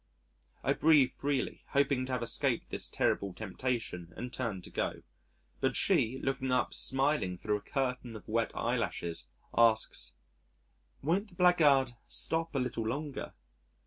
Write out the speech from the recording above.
I breathe freely hoping to have escaped this terrible temptation and turn to go. But she, looking up smiling thro' a curtain of wet eyelashes, asks, "Won't the blackguard stop a little longer?"